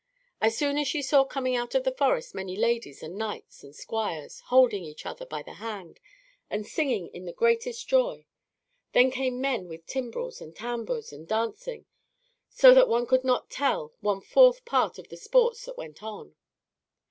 At noon she saw coming out of the forest many ladies and knights and squires, holding each other by the hand and singing in the greatest joy; then came men with timbrels and tabours and dancing, so that one could not tell one fourth part of the sports that went on.